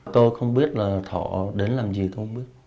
tôi không biết là thọ đến làm gì không biết